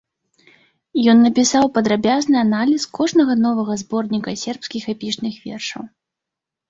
Ён напісаў падрабязны аналіз кожнага новага зборніка сербскіх эпічных вершаў.